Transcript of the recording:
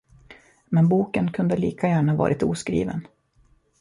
Men boken kunde lika gärna varit oskriven.